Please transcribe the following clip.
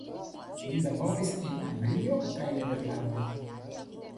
Li laboris en Anglio kaj Nederlando.